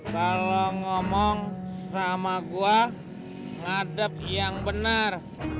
kalau ngomong sama gue ngadep yang benar